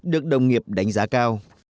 được đồng nghiệp đánh giá cao